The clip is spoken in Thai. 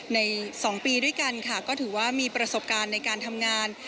ใน๒ปีด้วยกันค่ะก็ถือว่ามีประสบการณ์ในการทำงาน